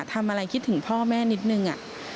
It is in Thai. ทำอะไรคิดถึงพ่อแม่นิดนึง